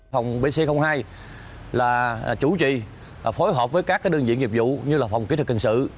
phòng bc hai là chủ trì phối hợp với các đơn vị nghiệp vụ như phòng kỹ thuật hình sự